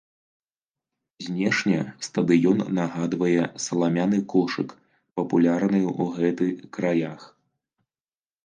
Знешне стадыён нагадвае саламяны кошык, папулярны ў гэты краях.